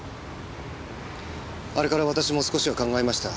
あれから私も少しは考えました。